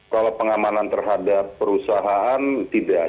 kalau pengamanan terhadap perusahaan tidak